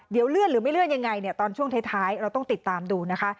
เดี๋ยวเลื่อนหรือไม่เลื่อนยังไงเนี่ยตอนช่วงท้ายเราต้องติดตามดูนะคะ